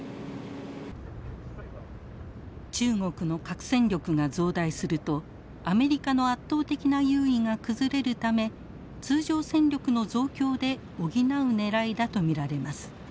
中国の核戦力が増大するとアメリカの圧倒的な優位が崩れるため通常戦力の増強で補うねらいだと見られます。